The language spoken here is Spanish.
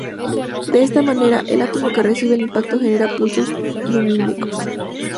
De esta manera, el átomo que recibe el impacto genera pulsos lumínicos.